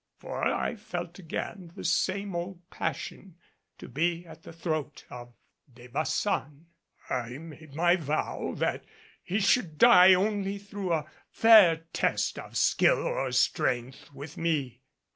For I felt again the same old passion to be at the throat of De Baçan. I made my vow that he should die only through a fair test of skill or strength with me.